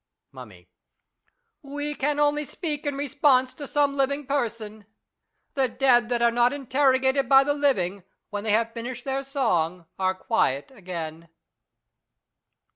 Mummy. We can only speak in response to some living person. The dead that are not interrogated by the living, when they have finished their song, are quiet again.